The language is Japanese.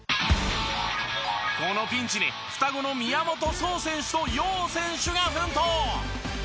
このピンチに双子の宮本聡選手と耀選手が奮闘。